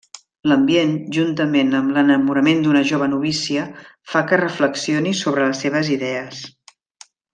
L'ambient, juntament amb l'enamorament d'una jove novícia, fa que reflexioni sobre les seves idees.